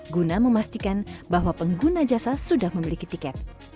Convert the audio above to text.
guna memastikan bahwa pengguna jasa sudah memiliki tiket